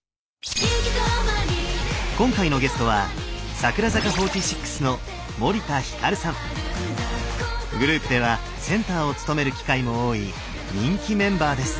今回のゲストはグループではセンターを務める機会も多い人気メンバーです。